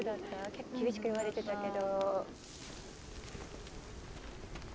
結構厳しく言われてたけど。